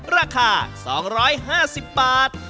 ราคา๒๕๐บาท